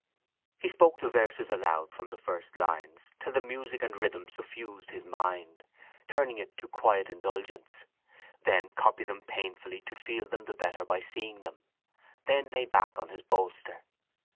He spoke the verses aloud from the first lines till the music and rhythm suffused his mind, turning it to quiet indulgence; then copied them painfully to feel them the better by seeing them; then lay back on his bolster.